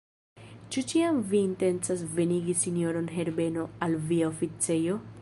Ĉu ĉiam vi intencas venigi sinjoron Herbeno al via oficejo?